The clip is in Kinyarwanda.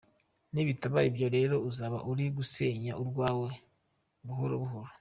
Nibitaba ibyo rero uzaba uri gusenya urwawe buhoro buhoro.